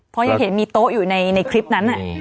เพราะยังเห็นมีโต๊ะอยู่ในคลิปนั้น